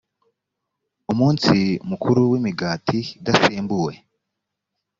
umunsi mukuru w imigati idasembuwe